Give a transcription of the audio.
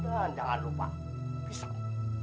dan jangan lupa pisau